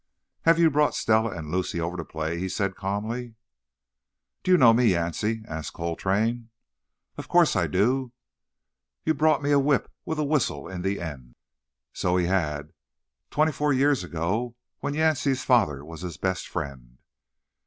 "Have you brought Stella and Lucy over to play?" he said calmly. "Do you know me, Yancey?" asked Coltrane. "Of course I do. You brought me a whip with a whistle in the end." So he had—twenty four years ago; when Yancey's father was his best friend.